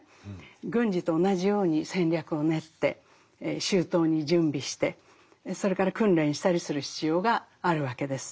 軍事と同じように戦略を練って周到に準備してそれから訓練したりする必要があるわけです。